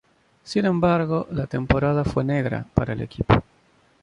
Sin embargo, la temporada fue negra para el equipo.